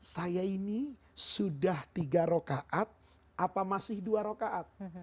saya ini sudah tiga rokaat apa masih dua rokaat